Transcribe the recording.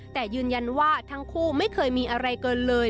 แต่ยืนยันว่าทั้งคู่ไม่เคยมีอะไรเกินเลย